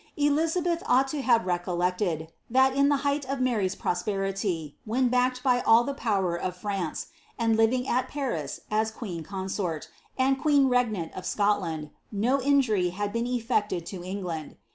Elizabeth ought to have rec4>llected, that in the height of Mary's prosperity, when backed by all the power of France, and living at Paris as queen consort, and queen regnant of Scotland, no injury had been effected to England.